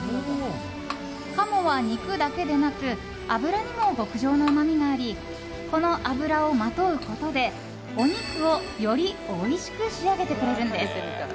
鴨は肉だけでなく脂にも極上のうまみがありこの脂をまとうことでお肉を、よりおいしく仕上げてくれるんです。